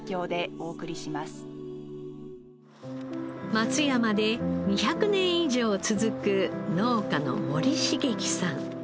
松山で２００年以上続く農家の森茂喜さん。